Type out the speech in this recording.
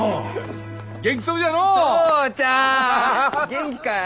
元気かえ？